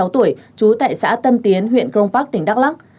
ba mươi sáu tuổi chú tại xã tân tiến huyện crong park tỉnh đắk lắc